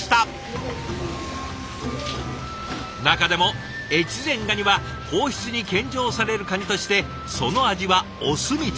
中でも越前ガニは皇室に献上されるカニとしてその味はお墨付き。